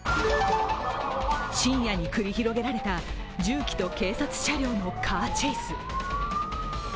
深夜に繰り広げられた重機と警察車両のカーチェイス。